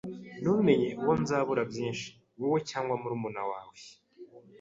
ntumenye uwo nzabura byinshi, wowe cyangwa murumuna wawe